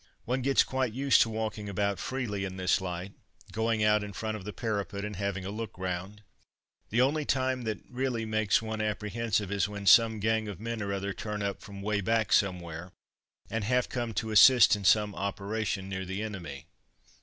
One gets quite used to walking about freely in this light, going out in front of the parapet and having a look round. The only time that really makes one apprehensive is when some gang of men or other turn up from way back somewhere, and have come to assist in some operation near the enemy.